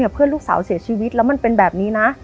เพื่อนลูกสาวเสียชีวิตแล้วมันเป็นแบบนี้นะ